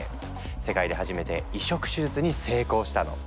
世界で初めて移植手術に成功したの。